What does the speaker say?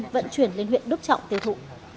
vận chuyển lên huyện đức trọng tiêu thụ